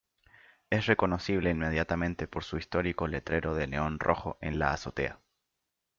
Es reconocible inmediatamente por su histórico letrero de neón rojo en la azotea.